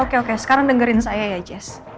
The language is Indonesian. oke oke sekarang dengerin saya ya jas